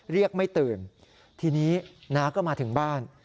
เรียกไม่ตื่นทีนี้น้าก็มาถึงบ้าน